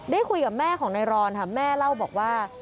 ได้คุยกับแม่ของนายรอนค่ะแม่เล่าบอกว่า